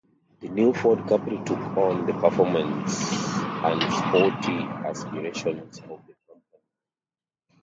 The new Ford Capri took on the performance and sporty aspirations of the company.